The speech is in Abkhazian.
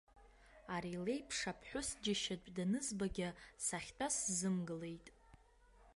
Ари леиԥш аԥҳәыс џьашьатә данызбагьы сахьтәаз сзымгылеит.